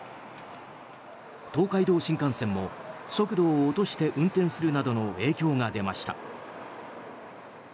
東海道新幹線も速度を落として運転するなどの影響が出ました。